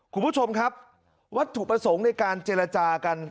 คุณผู้ชมครับวัตถุประสงค์ในการเจรจากัน